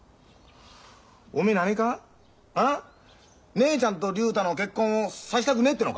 姉ちゃんと竜太の結婚をさしたくねえってのか？